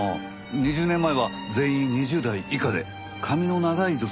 ２０年前は全員２０代以下で髪の長い女性ばかりでしたもんね。